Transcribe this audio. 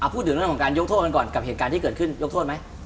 พูดถึงเรื่องของการยกโทษกันก่อนกับเหตุการณ์ที่เกิดขึ้นยกโทษไหม